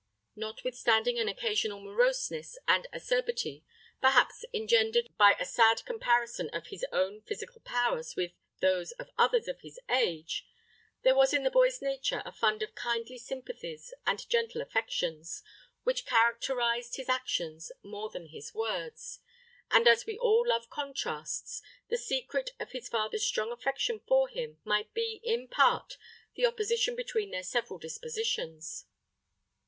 Notwithstanding an occasional moroseness and acerbity, perhaps engendered by a sad comparison of his own physical powers with those of others of his age, there was in the boy's nature a fund of kindly sympathies and gentle affections, which characterized his actions more than his words: and as we all love contrasts, the secret of his father's strong affection for him might be, in part, the opposition between their several dispositions.